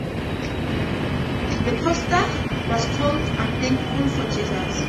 The poster was called I'm Thankful for Jesus.